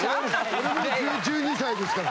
俺も１２歳ですから。